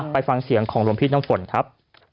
ไปฟังเสียงของรวมพิษน้องฝนครับ